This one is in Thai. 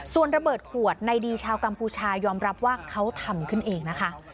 ส่วนระเบิดขวดในดีชาวกัมพูชายอมรับว่าเขาทำขึ้นเองนะคะ